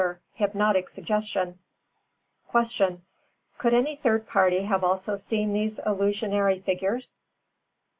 Hypnotic suggestion. 358. Q. _Could any third party have also seen these illusionary figures?